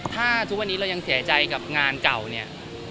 ถ้าทุกวันนี้เรายังเสียใจกับงานเก่าเนี่ย